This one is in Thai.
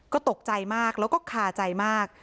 ก็ตกใจมากแล้วก็คาใจมาก